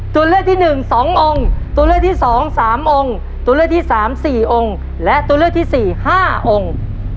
ตัวเลือกที่หนึ่งสององค์ตัวเลือกที่สองสามองค์ตัวเลือกที่สามสี่องค์และตัวเลือกที่สี่ห้าองค์